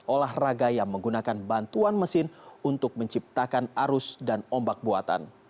olahraga yang menggunakan bantuan mesin untuk menciptakan arus dan ombak buatan